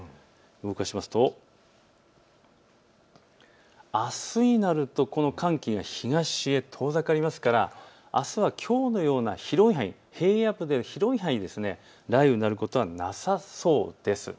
動かしますとあすになるとこの寒気が東へ遠ざかりますからあすはきょうのような広い範囲、平野部で広い範囲、雷雨になることはなさそうです。